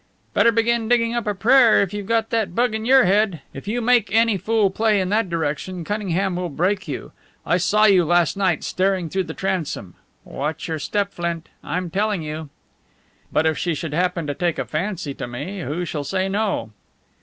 "Better begin digging up a prayer if you've got that bug in your head. If you make any fool play in that direction Cunningham will break you. I saw you last night staring through the transom. Watch your step, Flint. I'm telling you." "But if she should happen to take a fancy to me, who shall say no?"